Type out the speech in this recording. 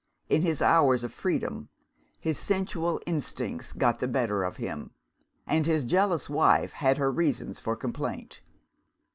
In his hours of freedom, his sensual instincts got the better of him; and his jealous wife had her reasons for complaint.